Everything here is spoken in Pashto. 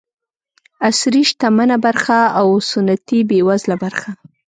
عصري شتمنه برخه او سنتي بېوزله برخه.